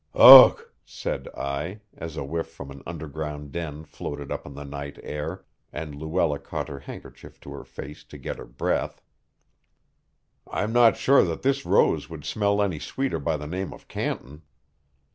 "Ugh!" said I, as a whiff from an underground den floated up on the night air, and Luella caught her handkerchief to her face to get her breath. "I'm not sure that this rose would smell any sweeter by the name of Canton."